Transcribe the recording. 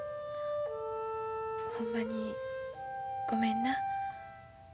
ほんまにごめんな。